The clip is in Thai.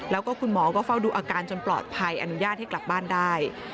แล้วก็คุณหมอก็เฝ้าดูอาการจนปลอดภัยอนุญาตให้กลับบ้านได้